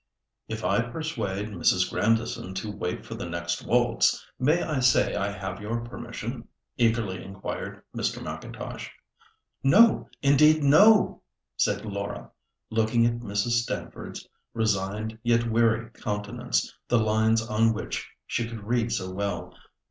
"If I persuade Mrs. Grandison to wait for the next waltz, may I say I have your permission?" eagerly inquired Mr. M'Intosh. "No! indeed, no!" said Laura, looking at Mrs. Stamford's resigned yet weary countenance, the lines on which she could read so well.